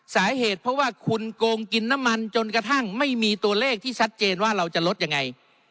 สาเหตุเพราะว่าคุณโกงกินน้ำมันจนกระทั่งไม่มีตัวเลขที่ชัดเจนว่าเราจะลดยังไง